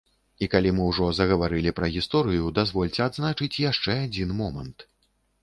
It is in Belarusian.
І калі мы ўжо загаварылі пра гісторыю, дазвольце адзначыць яшчэ адзін момант.